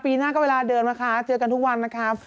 หน้าก็เวลาเดินนะคะเจอกันทุกวันนะครับ